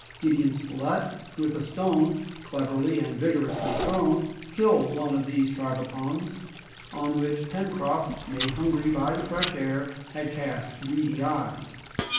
Gideon Spilett, with a stone cleverly and vigorously thrown, killed one of these tragopans, on which Pencroft, made hungry by the fresh air, had cast greedy eyes.